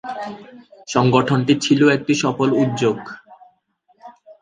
সংগঠনটি ছিল একটি সফল উদ্যোগ।